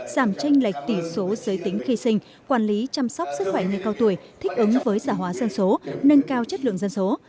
giảm tranh lệch tỷ số giới tính khi sinh quản lý chăm sóc sức khỏe người cao tuổi thích ứng với giả hóa dân số nâng cao chất lượng dân số